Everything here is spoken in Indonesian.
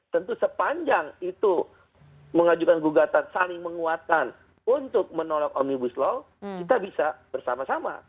tentu sepanjang itu mengajukan gugatan saling menguatkan untuk menolak omnibus law kita bisa bersama sama